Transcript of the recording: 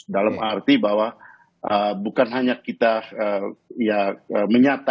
dalam arti bahwa bukan hanya kita ya